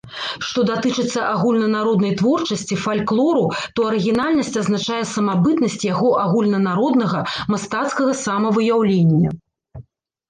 Што датычыцца агульнанароднай творчасці, фальклору, то арыгінальнасць азначае самабытнасць яго агульнанароднага, мастацкага самавыяўлення.